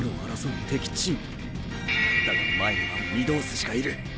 だが前には御堂筋がいる！！